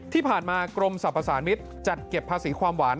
ที่ผ่านมากรมสรรพสารมิตรจัดเก็บภาษีความหวาน